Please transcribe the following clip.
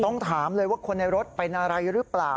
ต้องถามเลยว่าคนในรถเป็นอะไรหรือเปล่า